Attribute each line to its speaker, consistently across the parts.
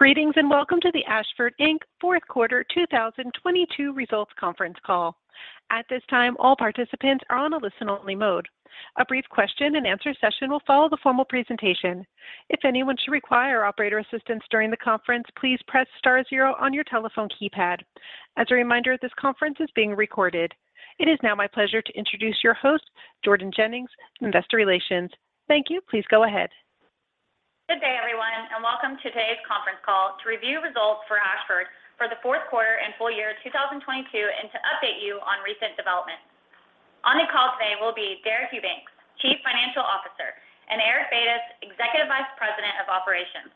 Speaker 1: Greetings, welcome to the Ashford Inc. fourth quarter 2022 results conference call. At this time, all participants are on a listen-only mode. A brief question and answer session will follow the formal presentation. If anyone should require operator assistance during the conference, please press star zero on your telephone keypad. As a reminder, this conference is being recorded. It is now my pleasure to introduce your host, Jordan Jennings, Investor Relations. Thank you. Please go ahead.
Speaker 2: Good day, everyone. Welcome to today's conference call to review results for Ashford for the fourth quarter and full year 2022, and to update you on recent developments. On the call today will be Deric Eubanks, Chief Financial Officer, and Eric Batis, Executive Vice President of Operations.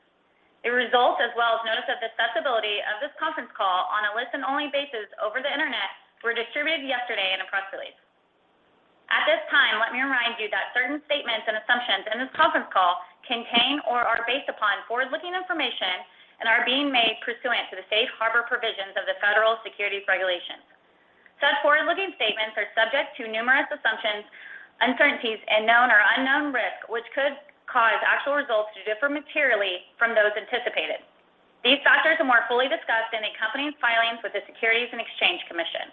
Speaker 2: The results, as well as notice of the accessibility of this conference call on a listen-only basis over the Internet, were distributed yesterday in a press release. At this time, let me remind that certain statements and assumptions in this conference call contain or are based upon forward-looking information and are being made pursuant to the Safe Harbor provisions of the Federal Securities Regulations. Such forward-looking statements are subject to numerous assumptions, uncertainties, and known or unknown risks which could cause actual results to differ materially from those anticipated. These factors are more fully discussed in the company's filings with the Securities and Exchange Commission.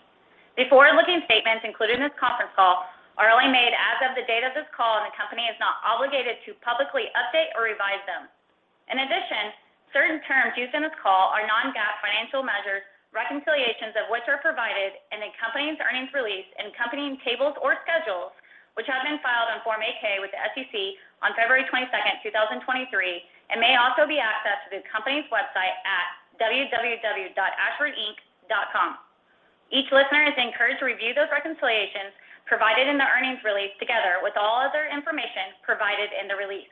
Speaker 2: The forward-looking statements included in this conference call are only made as of the date of this call, and the company is not obligated to publicly update or revise them. In addition, certain terms used in this call are non-GAAP financial measures, reconciliations of which are provided in the company's earnings release and company tables or schedules, which have been filed on Form 8-K with the SEC on February 22, 2023, and may also be accessed through the company's website at www.ashfordinc.com. Each listener is encouraged to review those reconciliations provided in the earnings release together with all other information provided in the release.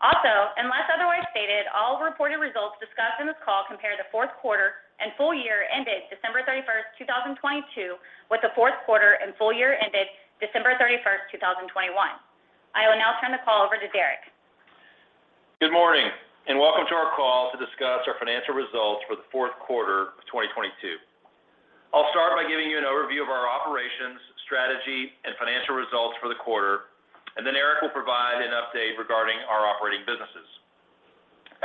Speaker 2: Also, unless otherwise stated, all reported results discussed in this call compare the fourth quarter and full year ended December 31st, 2022, with the fourth quarter and full year ended December 31st, 2021. I will now turn the call over to Deric.
Speaker 3: Good morning, and welcome to our call to discuss our financial results for the fourth quarter of 2022. I'll start by giving you an overview of our operations, strategy, and financial results for the quarter. Eric will provide an update regarding our operating businesses.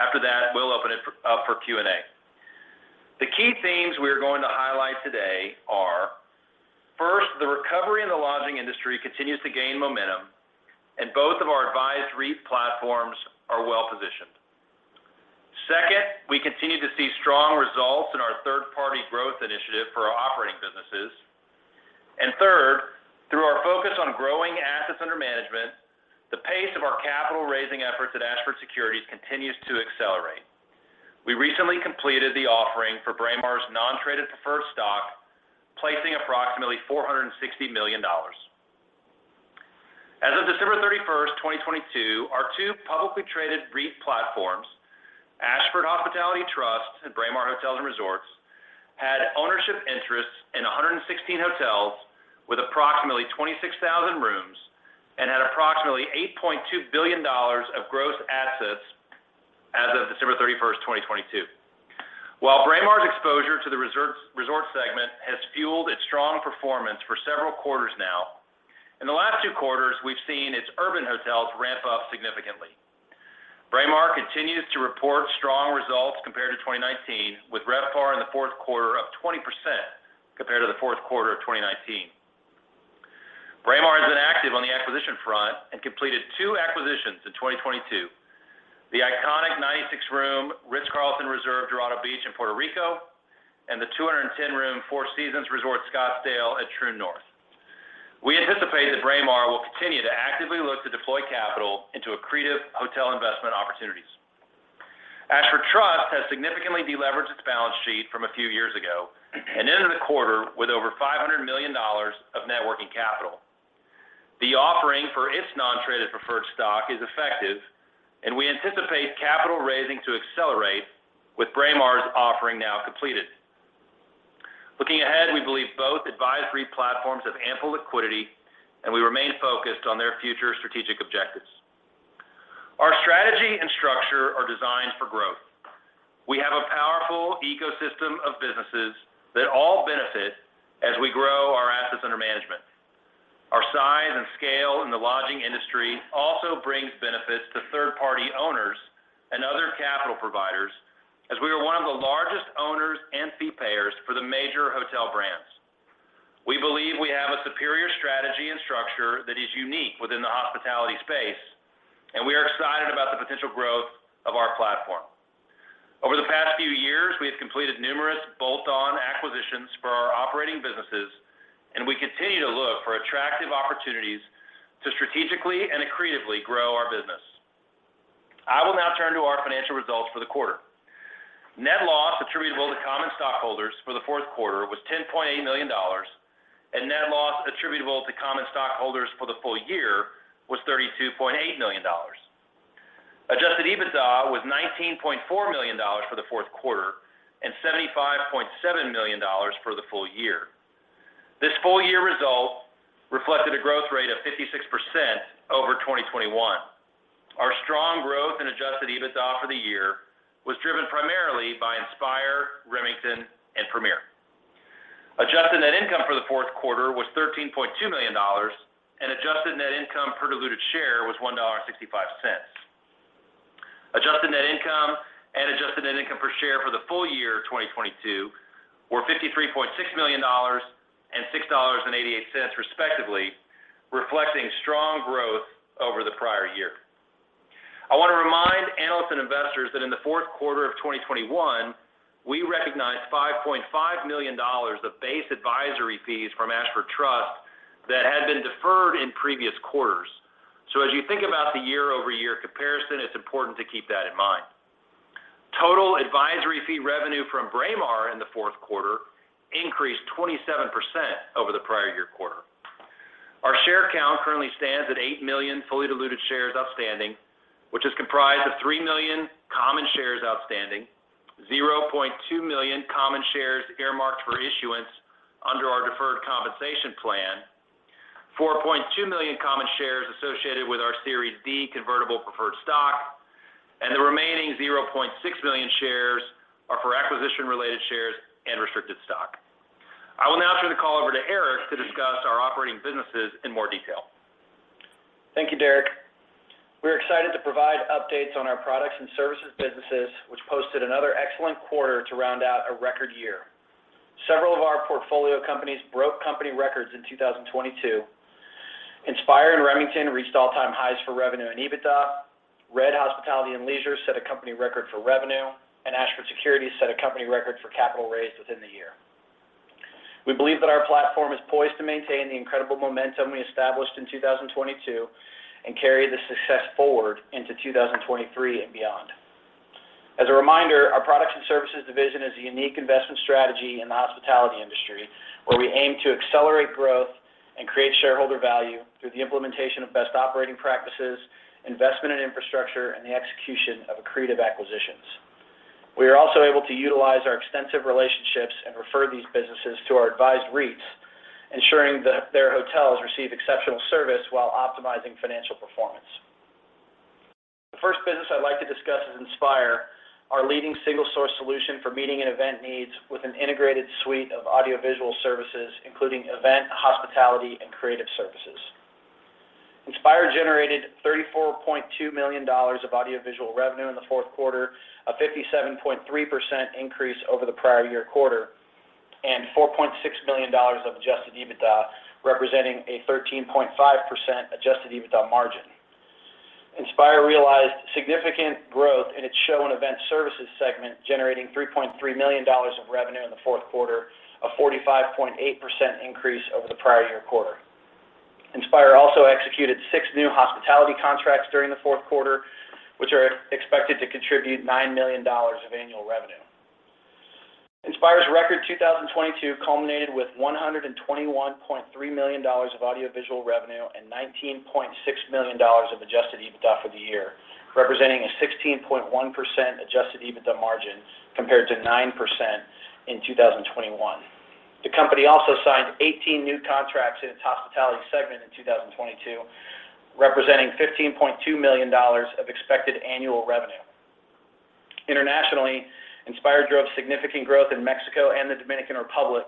Speaker 3: After that, we'll open it up for Q&A. The key themes we are going to highlight today are, first, the recovery in the lodging industry continues to gain momentum, and both of our advised REIT platforms are well-positioned. Second, we continue to see strong results in our third-party growth initiative for our operating businesses. Third, through our focus on growing assets under management, the pace of our capital-raising efforts at Ashford Securities continues to accelerate. We recently completed the offering for Braemar's non-traded preferred stock, placing approximately $460 million. As of December 31st, 2022, our two publicly traded REIT platforms, Ashford Hospitality Trust and Braemar Hotels & Resorts, had ownership interests in 116 hotels with approximately 26,000 rooms and had approximately $8.2 billion of gross assets as of December 31st, 2022. While Braemar's exposure to the resort segment has fueled its strong performance for several quarters now, in the last two quarters, we've seen its urban hotels ramp up significantly. Braemar continues to report strong results compared to 2019, with RevPAR in the fourth quarter up 20% compared to the fourth quarter of 2019. Braemar has been active on the acquisition front and completed 2 acquisitions in 2022: the iconic 96-room Ritz-Carlton Reserve Dorado Beach in Puerto Rico, and the 210-room Four Seasons Resort Scottsdale at Troon North. We anticipate that Braemar will continue to actively look to deploy capital into accretive hotel investment opportunities. Ashford Trust has significantly deleveraged its balance sheet from a few years ago and ended the quarter with over $500 million of net working capital. The offering for its non-traded preferred stock is effective, and we anticipate capital raising to accelerate with Braemar's offering now completed. Looking ahead, we believe both advised REIT platforms have ample liquidity, and we remain focused on their future strategic objectives. Our strategy and structure are designed for growth. We have a powerful ecosystem of businesses that all benefit as we grow our assets under management. Our size and scale in the lodging industry also brings benefits to third-party owners and other capital providers, as we are one of the largest owners and fee payers for the major hotel brands. We believe we have a superior strategy and structure that is unique within the hospitality space, we are excited about the potential growth of our platform. Over the past few years, we have completed numerous bolt-on acquisitions for our operating businesses, we continue to look for attractive opportunities to strategically and accretively grow our business. I will now turn to our financial results for the quarter. Net loss attributable to common stockholders for the fourth quarter was $10.8 million, net loss attributable to common stockholders for the full year was $32.8 million. Adjusted EBITDA was $19.4 million for the fourth quarter and $75.7 million for the full year. This full-year result reflected a growth rate of 56% over 2021. Our strong growth in adjusted EBITDA for the year was driven primarily by INSPIRE, was $13.2 million, and adjusted net income per diluted share was $1.65. Adjusted net income and adjusted net income per share for the full year of 2022 were $53.6 million and $6.88 respectively, reflecting strong growth over the prior year. I want to remind analysts and investors that in the fourth quarter of 2021, we recognized $5.5 million of base advisory fees from Ashford Trust that had been deferred in previous quarters. As you think about the year-over-year comparison, it's important to keep that in mind. Total advisory fee revenue from Braemar in the fourth quarter increased 27% over the prior year quarter. Our share count currently stands at 8 million fully diluted shares outstanding, which is comprised of 3 million common shares outstanding, 0.2 million common shares earmarked for issuance under our deferred compensation plan, 4.2 million common shares associated with our Series D convertible preferred stock, and the remaining 0.6 million shares are for acquisition-related shares and restricted stock. I will now turn the call over to Eric to discuss our operating businesses in more detail.
Speaker 4: Thank you, Deric. We're excited to provide updates on our products and services businesses, which posted another excellent quarter to round out a record year. Several of our portfolio companies broke company records in 2022. INSPIRE and Remington reached all-time highs for revenue and EBITDA. RED Hospitality & Leisure set a company record for revenue, and Ashford Securities set a company record for capital raised within the year. We believe that our platform is poised to maintain the incredible momentum we established in 2022 and carry the success forward into 2023 and beyond. As a reminder, our products and services division is a unique investment strategy in the hospitality industry, where we aim to accelerate growth and create shareholder value through the implementation of best operating practices, investment in infrastructure, and the execution of accretive acquisitions. We are also able to utilize our extensive relationships and refer these businesses to our advised REITs, ensuring that their hotels receive exceptional service while optimizing financial performance. The first business I'd like to discuss is INSPIRE, our leading single-source solution for meeting and event needs with an integrated suite of audiovisual services, including event, hospitality, and creative services. INSPIRE generated $34.2 million of audiovisual revenue in the fourth quarter, a 57.3% increase over the prior year quarter, and $4.6 million of adjusted EBITDA, representing a 13.5% adjusted EBITDA margin. INSPIRE realized significant growth in its show and event services segment, generating $3.3 million of revenue in the fourth quarter, a 45.8% increase over the prior year quarter. INSPIRE also executed six new hospitality contracts during the fourth quarter, which are expected to contribute $9 million of annual revenue. INSPIRE's record 2022 culminated with $121.3 million of audiovisual revenue and $19.6 million of adjusted EBITDA for the year, representing a 16.1% Adjusted EBITDA margin compared to 9% in 2021. The company also signed 18 new contracts in its hospitality segment in 2022, representing $15.2 million of expected annual revenue. Internationally, INSPIRE drove significant growth in Mexico and the Dominican Republic,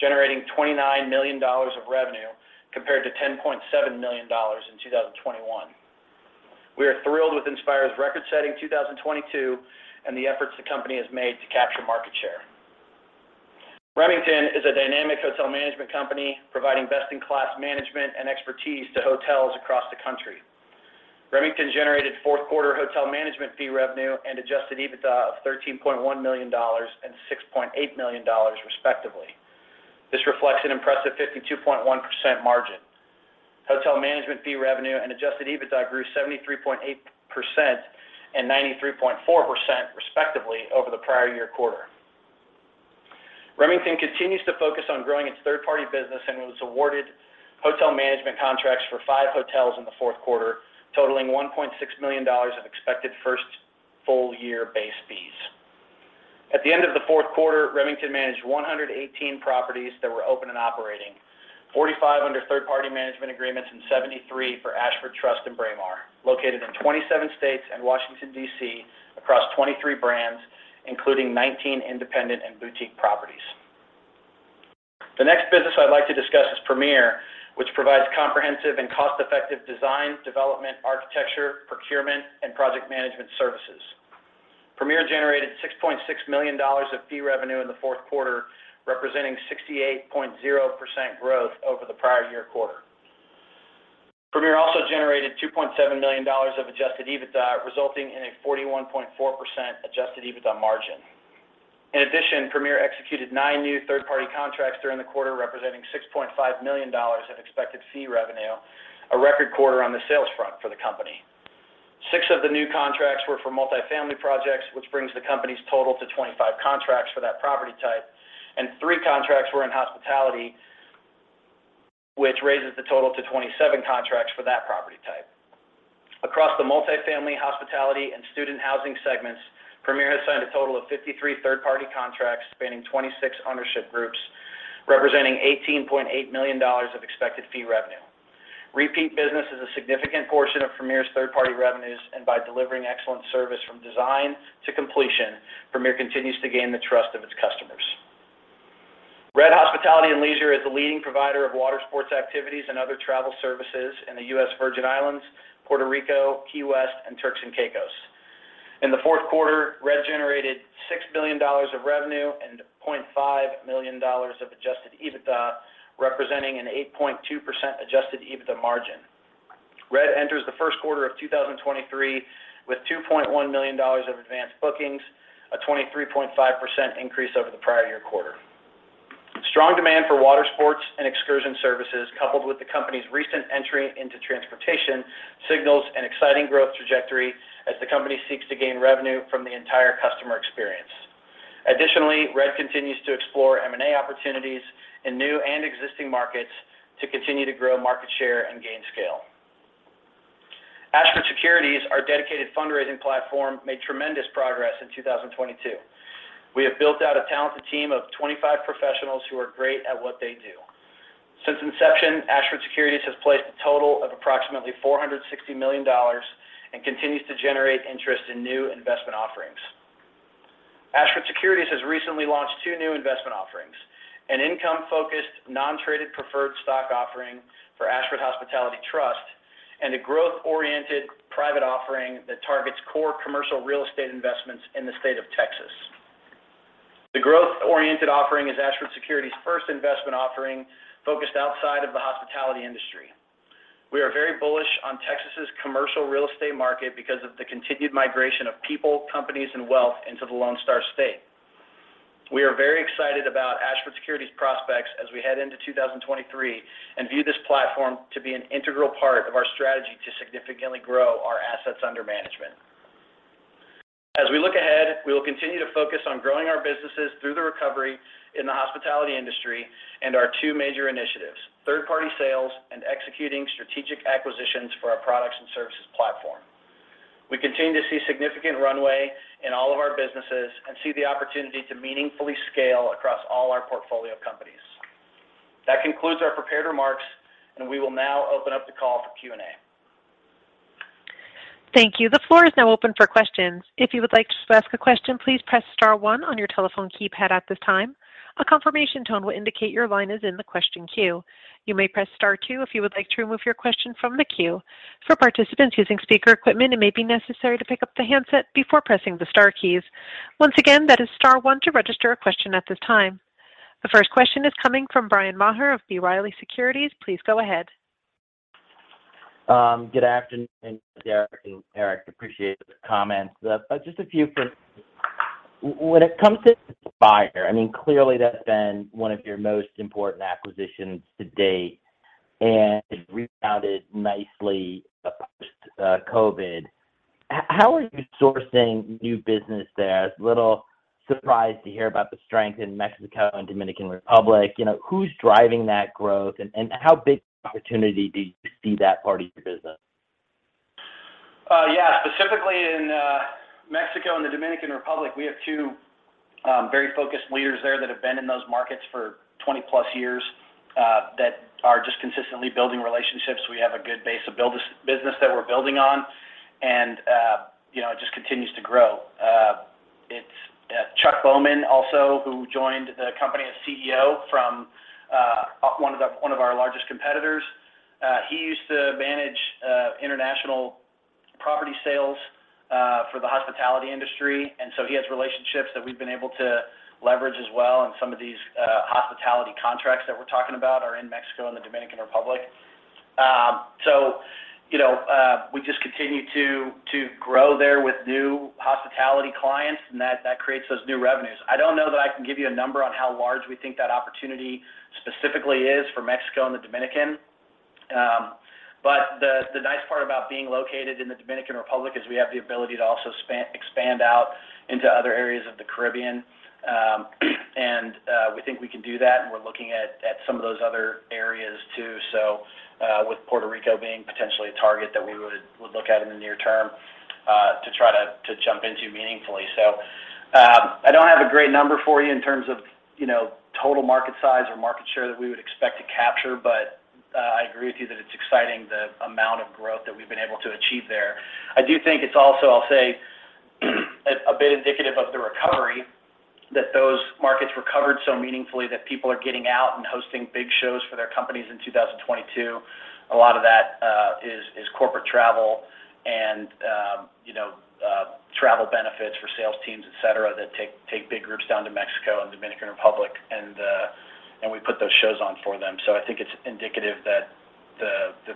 Speaker 4: generating $29 million of revenue compared to $10.7 million in 2021. We are thrilled with INSPIRE's record-setting 2022 and the efforts the company has made to capture market share. Remington is a dynamic hotel management company providing best-in-class management and expertise to hotels across the country. Remington generated fourth quarter hotel management fee revenue and adjusted EBITDA of $13.1 million and $6.8 million respectively. This reflects an impressive 52.1% margin. Hotel management fee revenue and adjusted EBITDA grew 73.8% and 93.4% respectively over the prior year quarter. Remington continues to focus on growing its third-party business and was awarded hotel management contracts for five hotels in the fourth quarter, totaling $1.6 million of expected first full-year base fees. At the end of the fourth quarter, Remington managed 118 properties that were open and operating, 45 under third-party management agreements and 73 for Ashford Trust and Braemar, located in 27 states and Washington, D.C., across 23 brands, including 19 independent and boutique properties. The next business I'd like to discuss is Premier, which provides comprehensive and cost-effective design, development, architecture, procurement, and project management services. Premier generated $6.6 million of fee revenue in the fourth quarter, representing 68.0% growth over the prior year quarter. Premier also generated $2.7 million of adjusted EBITDA, resulting in a 41.4% adjusted EBITDA margin. In addition, Premier executed nine new third-party contracts during the quarter, representing $6.5 million of expected fee revenue, a record quarter on the sales front for the company. Six of the new contracts were for multifamily projects, which brings the company's total to 25 contracts for that property type, and three contracts were in hospitality, which raises the total to 27 contracts for that property type. Across the multifamily, hospitality, and student housing segments, Premier has signed a total of 53 third-party contracts spanning 26 ownership groups, representing $18.8 million of expected fee revenue. Repeat business is a significant portion of Premier's third party revenues, and by delivering excellent service from design to completion, Premier continues to gain the trust of its customers. RED Hospitality & Leisure is the leading provider of water sports activities and other travel services in the U.S. Virgin Islands, Puerto Rico, Key West, and Turks and Caicos. In the fourth quarter, RED generated $6 million of revenue and $0.5 million of adjusted EBITDA, representing an 8.2% Adjusted EBITDA margin. RED enters the first quarter of 2023 with $2.1 million of advanced bookings, a 23.5% increase over the prior year quarter. Strong demand for water sports and excursion services, coupled with the company's recent entry into transportation, signals an exciting growth trajectory as the company seeks to gain revenue from the entire customer experience. Additionally, RED continues to explore M&A opportunities in new and existing markets to continue to grow market share and gain scale. Ashford Securities, our dedicated fundraising platform, made tremendous progress in 2022. We have built out a talented team of 25 professionals who are great at what they do. Since inception, Ashford Securities has placed a total of approximately $460 million and continues to generate interest in new investment offerings. Ashford Securities has recently launched two new investment offerings, an income-focused, non-traded preferred stock offering for Ashford Hospitality Trust and a growth-oriented private offering that targets core commercial real estate investments in the state of Texas. The growth-oriented offering is Ashford Securities' first investment offering focused outside of the hospitality industry. We are very bullish on Texas' commercial real estate market because of the continued migration of people, companies, and wealth into the Lone Star State. We are very excited about Ashford Securities' prospects as we head into 2023 and view this platform to be an integral part of our strategy to significantly grow our assets under management. As we look ahead, we will continue to focus on growing our businesses through the recovery in the hospitality industry and our two major initiatives, third-party sales and executing strategic acquisitions for our products and services platform. We continue to see significant runway in all of our businesses and see the opportunity to meaningfully scale across all our portfolio companies. That concludes our prepared remarks, and we will now open up the call for Q&A.
Speaker 1: Thank you. The floor is now open for questions. If you would like to ask a question, please press star one on your telephone keypad at this time. A confirmation tone will indicate your line is in the question queue. You may press star two if you would like to remove your question from the queue. For participants using speaker equipment, it may be necessary to pick up the handset before pressing the star keys. Once again, that is star one to register a question at this time. The first question is coming from Bryan Maher of B. Riley Securities. Please go ahead.
Speaker 5: Good afternoon, Deric and Eric. Appreciate the comments. Just a few questions. When it comes to INSPIRE, I mean, clearly that's been one of your most important acquisitions to date and rebounded nicely post COVID. How are you sourcing new business there? I was a little surprised to hear about the strength in Mexico and Dominican Republic. You know, who's driving that growth and how big an opportunity do you see that part of your business?
Speaker 4: Yeah. Specifically in Mexico and the Dominican Republic, we have two very focused leaders there that have been in those markets for 20+ years that are just consistently building relationships. We have a good base of business that we're building on, and you know, it just continues to grow. It's Chuck Bauman also, who joined the company as CEO from one of our largest competitors. He used to manage international property sales for the hospitality industry, and so he has relationships that we've been able to leverage as well, and some of these hospitality contracts that we're talking about are in Mexico and the Dominican Republic. So, you know, we just continue to grow there with new hospitality clients, and that creates those new revenues. I don't know that I can give you a number on how large we think that opportunity specifically is for Mexico and the Dominican. The nice part about being located in the Dominican Republic is we have the ability to also expand out into other areas of the Caribbean. We think we can do that, and we're looking at some of those other areas too. With Puerto Rico being potentially a target that we would look at in the near term, to try to jump into meaningfully. I don't have a great number for you in terms of, you know, total market size or market share that we would expect to capture, but I agree with you that it's exciting the amount of growth that we've been able to achieve there. I do think it's also, I'll say, a bit indicative of the recovery that those markets recovered so meaningfully that people are getting out and hosting big shows for their companies in 2022. A lot of that is corporate travel and, you know, travel benefits for sales teams, et cetera, that take big groups down to Mexico and Dominican Republic, and we put those shows on for them. I think it's indicative that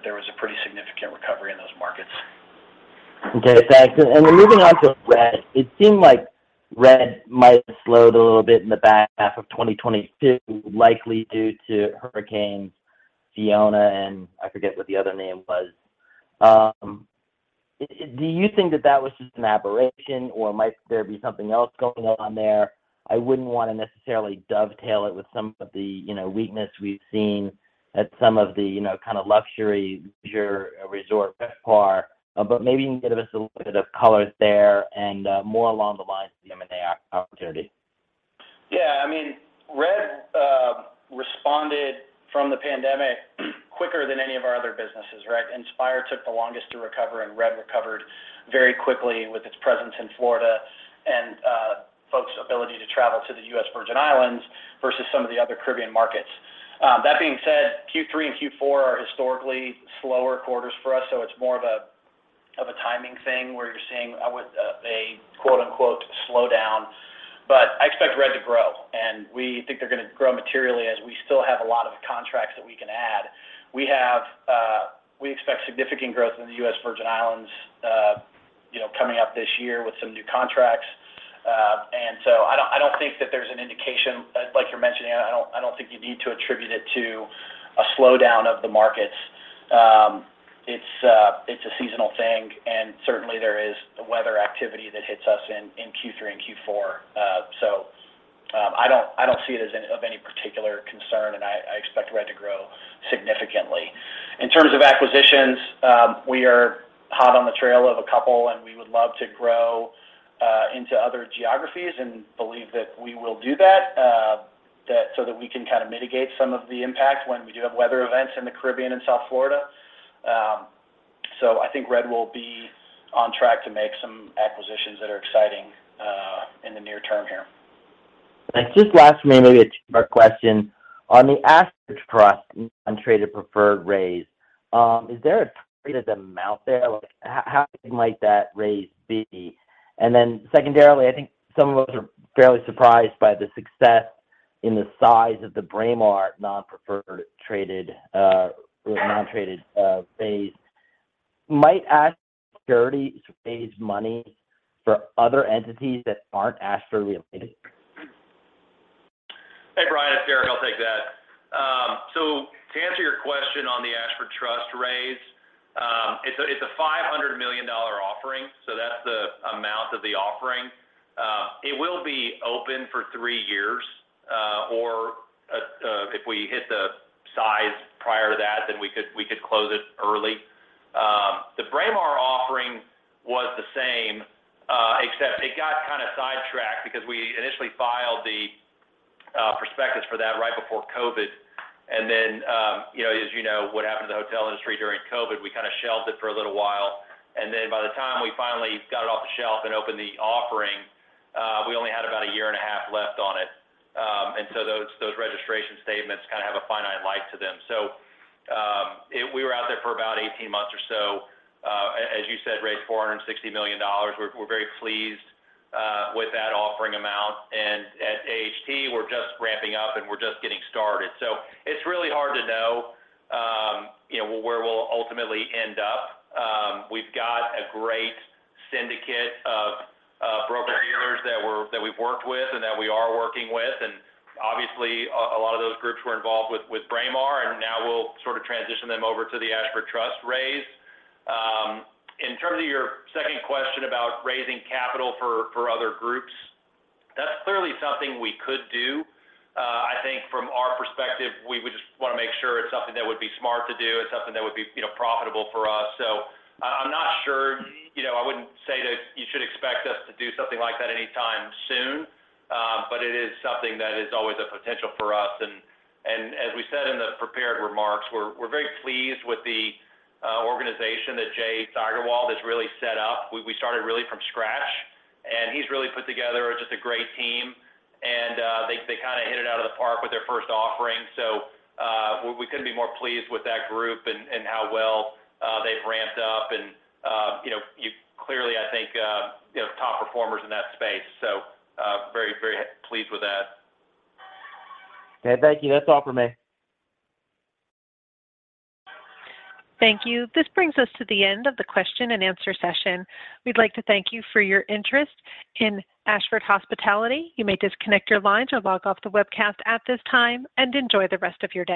Speaker 4: there was a pretty significant recovery in those markets.
Speaker 5: Okay. Thanks. Moving on to RED, it seemed like RED might have slowed a little bit in the back half of 2022, likely due to hurricanes Fiona, and I forget what the other name was. Do you think that that was just an aberration, or might there be something else going on there? I wouldn't wanna necessarily dovetail it with some of the, you know, weakness we've seen at some of the, you know, kind of luxury leisure resort thus far. Maybe you can give us a little bit of color there and more along the lines of the M&A opportunity.
Speaker 3: Responded from the pandemic quicker than any of our other businesses, right? INSPIRE took the longest to recover, and RED recovered very quickly with its presence in Florida and folks' ability to travel to the U.S. Virgin Islands versus some of the other Caribbean markets. That being said, Q3 and Q4 are historically slower quarters for us, so it's more of a timing thing where you're seeing what a quote-unquote, slow down. I expect RED to grow, and we think they're gonna grow materially as we still have a lot of contracts that we can add. We expect significant growth in the U.S. Virgin Islands, you know, coming up this year with some new contracts. I don't think that there's an indication, like you're mentioning, I don't think you need to attribute it to a slowdown of the markets. It's a seasonal thing, and certainly there is weather activity that hits us in Q3 and Q4. I don't see it as of any particular concern, and I expect RED to grow significantly. In terms of acquisitions, we are hot on the trail of a couple, and we would love to grow into other geographies and believe that we will do that so that we can kind of mitigate some of the impact when we do have weather events in the Caribbean and South Florida. I think RED will be on track to make some acquisitions that are exciting in the near term here.
Speaker 5: Thanks. Just last, maybe a two-part question. On the Ashford Trust non-traded preferred raise, is there a targeted amount there? Like, how might that raise be? Secondarily, I think some of us are fairly surprised by the success in the size of the Braemar non-preferred traded or non-traded raise. Might Ashford Securities raise money for other entities that aren't Ashford related?
Speaker 3: Hey, Bryan. It's Deric. I'll take that. To answer your question on the Ashford Trust raise, it's a, it's a $500 million offering, so that's the amount of the offering. It will be open for 3 years, or if we hit the size prior to that, then we could close it early. The Braemar offering was the same, except it got kind of sidetracked because we initially filed the prospectus for that right before COVID. Then, you know, as you know, what happened to the hotel industry during COVID, we kind of shelved it for a little while. Then by the time we finally got it off the shelf and opened the offering, we only had about a year and a half left on it. Those, those registration statements kinda have a finite life to them. We were out there for about 18 months or so. As you said, raised $460 million. We're very pleased with that offering amount. At AHT, we're just ramping up, and we're just getting started. It's really hard to know, you know, where we'll ultimately end up. We've got a great syndicate of broker-dealers that we've worked with and that we are working with. Obviously, a lot of those groups were involved with Braemar, and now we'll sort of transition them over to the Ashford Trust raise. In terms of your second question about raising capital for other groups, that's clearly something we could do. I think from our perspective, we would just wanna make sure it's something that would be smart to do. It's something that would be, you know, profitable for us. I'm not sure. You know, I wouldn't say that you should expect us to do something like that anytime soon. but it is something that is always a potential for us. As we said in the prepared remarks, we're very pleased with the organization that Jay Steigerwald has really set up. We started really from scratch, and he's really put together just a great team. They kinda hit it out of the park with their first offering. We couldn't be more pleased with that group and how well they've ramped up. You know, you clearly, I think, you know, top performers in that space. Very pleased with that.
Speaker 5: Okay. Thank you. That's all for me.
Speaker 1: Thank you. This brings us to the end of the question and answer session. We'd like to thank you for your interest in Ashford Hospitality. You may disconnect your line or log off the webcast at this time, and enjoy the rest of your day.